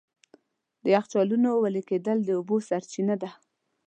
د یخچالونو وېلې کېدل د اوبو سرچینه ده.